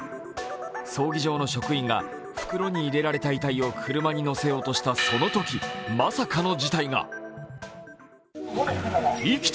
葬儀場の職員が袋に入れられた遺体を車に乗せようとしたそのとき、まさかの事態が。